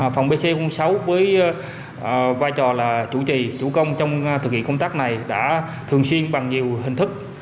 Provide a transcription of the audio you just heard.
phòng pc sáu với vai trò là chủ trì chủ công trong thực hiện công tác này đã thường xuyên bằng nhiều hình thức